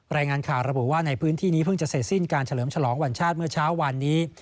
รายงานข่าวระบุว่าในพื้นที่นี้เพิ่งจะเสร็จสิ้นการเฉลิมฉลองวันชาติเมื่อเช้าวันนี้